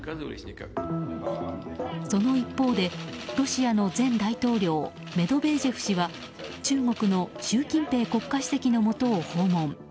その一方で、ロシアの前大統領メドベージェフ氏は中国の習近平国家主席のもとを訪問。